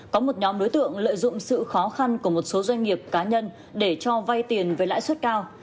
có một nhóm đối tượng lợi dụng sự khó khăn của một số doanh nghiệp cá nhân để cho vay tiền với lãi suất cao